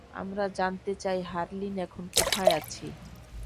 আমরা জানতে চাই হারলিন এখন কোথায় আছে।